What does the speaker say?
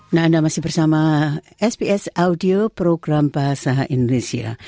nah anda masih bersama sps audio program bahasa indonesia